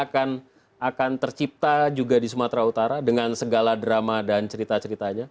apakah kondisi di jakarta akan tercipta juga di sumatera utara dengan segala drama dan cerita ceritanya